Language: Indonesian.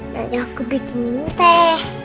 nanti aku bikinin teh